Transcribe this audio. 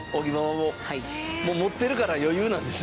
もう持ってるから余裕なんですね。